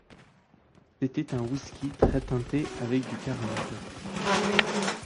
C’était un whisky très teinté avec du caramel.